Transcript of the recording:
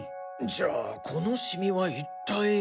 じゃあこのシミは一体。